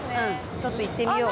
ちょっと行ってみよう。